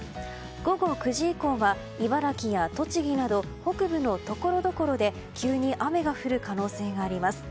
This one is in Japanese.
午後９時以降は茨城や栃木など北部のところどころで急に雨が降る可能性があります。